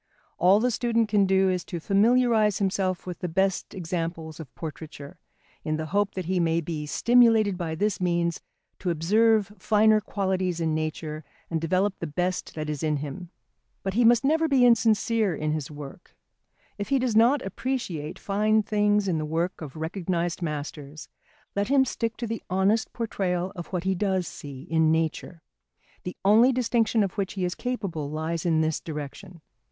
All the student can do is to familiarise himself with the best examples of portraiture, in the hope that he may be stimulated by this means to observe finer qualities in nature and develop the best that is in him. But he must never be insincere in his work. If he does not appreciate fine things in the work of recognised masters, let him stick to the honest portrayal of what he does see in nature. The only distinction of which he is capable lies in this direction.